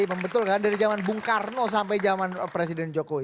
jadi membetulkan dari zaman bung karno sampai zaman presiden jokowi